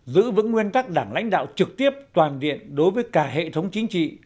giữ vững nguyên tắc đảng lãnh đạo trực tiếp toàn diện đối với cả hệ thống chính trị